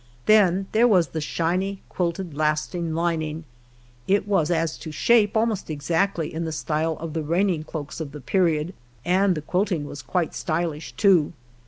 Then there was the shiny, quilted lasting lining; it was as to shape almost exactl}^ in the style of the reigning cloaks of the period, and the quilting was quite stylish, too.